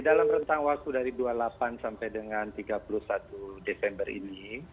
dalam rentang waktu dari dua puluh delapan sampai dengan tiga puluh satu desember ini